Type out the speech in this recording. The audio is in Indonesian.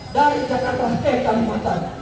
dari jakarta ke kalimantan